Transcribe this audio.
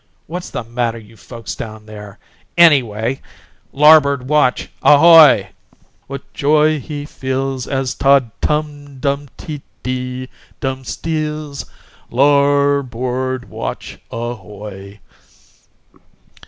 What's the matter you folks down there, anyway? Larboard watch, ahoy!" "What joy he feels, as ta tum dum tee dee dum steals. La a r board watch, ahoy!"